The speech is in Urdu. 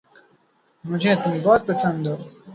مجھے تم بہت پسند ہو